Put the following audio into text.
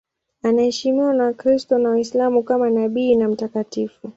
Anaheshimiwa na Wakristo na Waislamu kama nabii na mtakatifu.